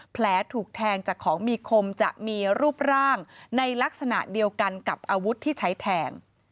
แผลถูกแทงจากของมีคมจะมีรูปร่างในลักษณะเดียวกันกับอาวุธที่ใช้แทง